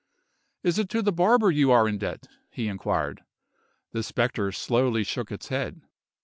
"Is it to the barber you are in debt?" he inquired. The spectre slowly shook its head.